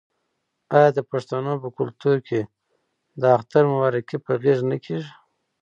آیا د پښتنو په کلتور کې د اختر مبارکي په غیږ نه کیږي؟